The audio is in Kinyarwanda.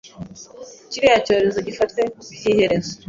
Kiriya cyorezo gifatwe by’iherezo